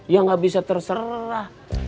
ya gak bisa terserah